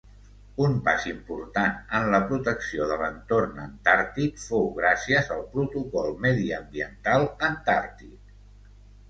Un pas important en la protecció de l'entorn antàrtic fou gràcies al Protocol Mediambiental Antàrtic.